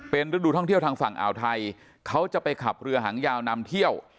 เป็นฤดูท่องเที่ยวทางฝั่งอ่าวไทยเขาจะไปขับเรือหางยาวนำเที่ยว